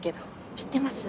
知ってます。